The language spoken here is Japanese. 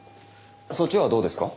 そっちはどうですか？